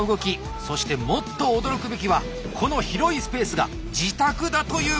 そしてもっと驚くべきはこの広いスペースが自宅だということであります！